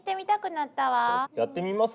やってみます？